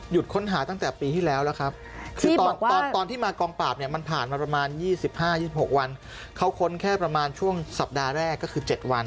ค้นหาตั้งแต่ปีที่แล้วแล้วครับคือตอนที่มากองปราบเนี่ยมันผ่านมาประมาณ๒๕๒๖วันเขาค้นแค่ประมาณช่วงสัปดาห์แรกก็คือ๗วัน